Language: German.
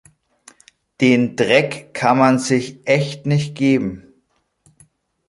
Den Dreck kann man sich echt nicht geben!